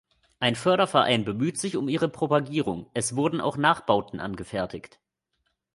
Ein Förderverein bemüht sich um ihre Propagierung, es wurden auch Nachbauten angefertigt.